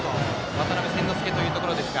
渡邉千之亮というところですが。